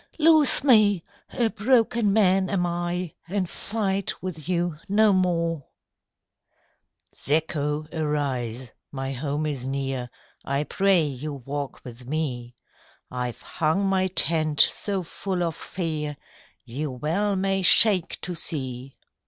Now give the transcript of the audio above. "Loose me! a broken man am I, And fight with you no more.'' "Zacho, arise, my home is near; I pray you walk with me: I've hung my tent so full of fear You well may shake to see.